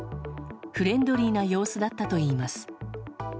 フレンドリーな様子だったといいます。